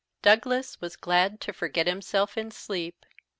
Douglas was glad to forget himself in sleep.